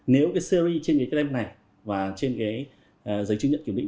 nếu cái series trên cái telem này và trên cái giấy chứng nhận kiểm định